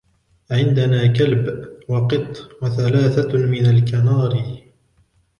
عندنا كلبٌ ، وقط ، وثلاثة من الكناري.